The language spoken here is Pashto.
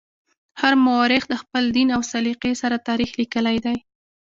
هر مورخ د خپل دین او سلیقې سره تاریخ لیکلی دی.